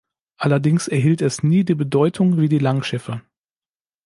Allerdings erhielt es nie die Bedeutung wie die Langschiffe.